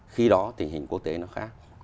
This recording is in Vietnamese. khi đó tình hình quốc tế nó khác